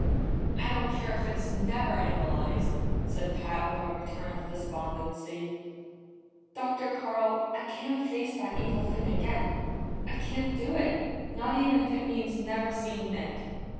"I don't care if it's never analyzed," said Pat with a return of despondency. "Dr. Carl, I can't face that evil thing again. I can't do it, not even if it means never seeing Nick!"